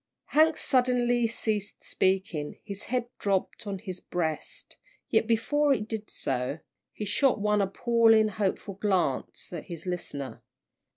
Hank suddenly ceased speaking, his head dropped on his breast, yet before it did so, he shot one appealing, hopeful glance at his listener.